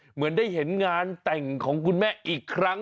เหมือนได้เห็นงานแต่งของคุณแม่อีกครั้ง